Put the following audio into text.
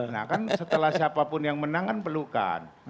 nah kan setelah siapapun yang menang kan pelukan